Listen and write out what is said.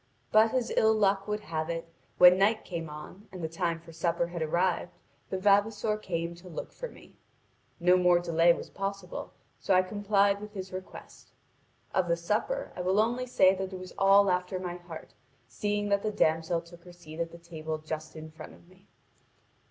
But as ill luck would have it, when night came on, and the time for supper had arrived. The vavasor came to look for me. No more delay was possible, so I complied with his request. Of the supper I will only say that it was all after my heart, seeing that the damsel took her seat at the table just in front of me.